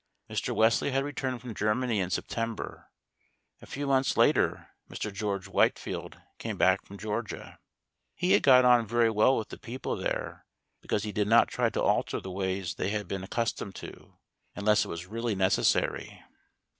Mr. Wesley had returned from Germany in September; a few months later Mr. George Whitefield came back from Georgia. He had got on very well with the people there, because he did not try to alter the ways they had been accustomed to, unless it was really necessary.